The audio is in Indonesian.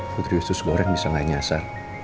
putri usus goreng bisa gak nyasar